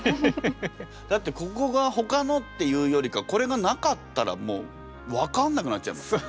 だってここがほかのっていうよりかこれがなかったらもう分かんなくなっちゃいますよね。